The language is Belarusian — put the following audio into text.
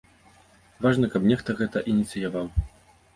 Важна, каб нехта гэта ініцыяваў.